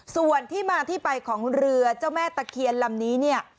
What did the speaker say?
ส่วนที่มาที่ไปของเรือเจ้าแม่ตะเคียนลำนี้เนี่ย